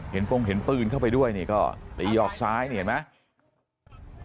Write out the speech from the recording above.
ปงเห็นปืนเข้าไปด้วยนี่ก็ตีหอกซ้ายนี่เห็นไหม